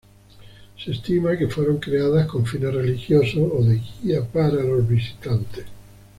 Se estima que fueron creadas con fines religiosos o de guía para los visitantes.